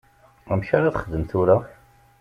Amek ara texdem tura?